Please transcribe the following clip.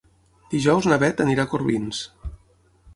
Dijous na Beth anirà a Corbins.